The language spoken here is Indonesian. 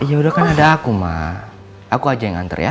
ya udah kan ada aku ma aku aja yang antar ya